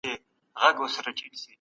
اسلام د فردي ملکيت لپاره اصول لري.